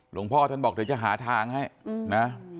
หลวงพ่อท่านบอกเดี๋ยวจะหาทางให้นะ